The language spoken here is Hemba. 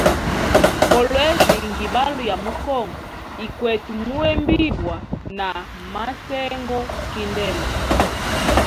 Kolwezi ngibalo ya mu kongo, ikwete muhembibwa na masengo kindele.